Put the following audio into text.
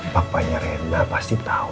bapaknya rena pasti tahu